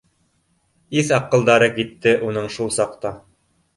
Иҫ-аҡылдары китте уның шул саҡта